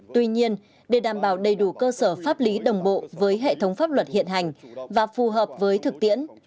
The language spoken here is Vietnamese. tuy nhiên để đảm bảo đầy đủ cơ sở pháp lý đồng bộ với hệ thống pháp luật hiện hành và phù hợp với thực tiễn